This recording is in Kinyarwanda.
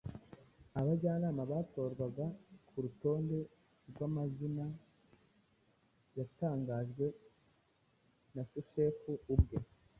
abajyanama batorwaga ku rutonde rw'amazina yatangajwe na sushefu ubwe.